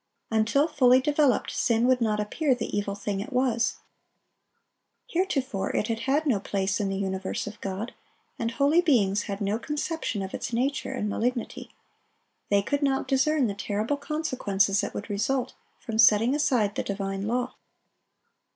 Until fully developed, sin would not appear the evil thing it was. Heretofore it had had no place in the universe of God, and holy beings had no conception of its nature and malignity. They could not discern the terrible consequences that would result from setting aside the divine law.